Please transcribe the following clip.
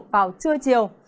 vào trưa chiều